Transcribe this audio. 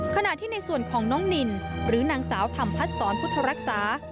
ขณะที่ในส่วนของน้องนินหรือนางสาวธรรมพัดศรพุทธรักษา